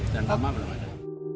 dan lama belum ada